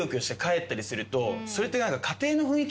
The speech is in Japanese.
それって。